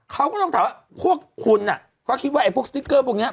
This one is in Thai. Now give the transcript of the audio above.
เขาก็ต้องถามว่าพวกคุณก็คิดว่าไอ้พวกสติ๊กเกอร์พวกนี้